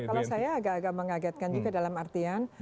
kalau saya agak agak mengagetkan juga dalam artian